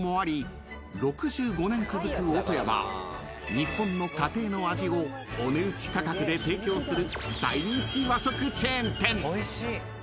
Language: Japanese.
［日本の家庭の味をお値打ち価格で提供する］